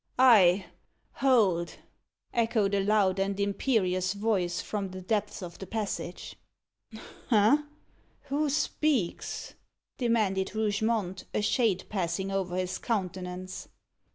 "Ay, hold!" echoed a loud and imperious voice from the depths of the passage. "Ha! who speaks?" demanded Rougemont, a shade passing over his countenance.